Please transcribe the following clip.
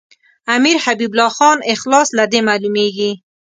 امیر حبیب الله خان اخلاص له دې معلومیږي.